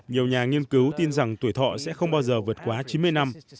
nhiều nhà nghiên cứu tin rằng tuổi thọ sẽ không bao giờ vượt quá chín mươi năm